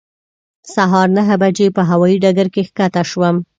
سهار نهه بجې په هوایې ډګر کې ښکته شوم.